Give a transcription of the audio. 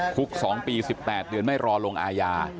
คุก๒ปี๑๘เดือนไม่รอลงอาญา